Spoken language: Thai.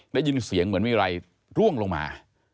ได้ยินเสียงเหมือนมีอะไรร่วงลงมา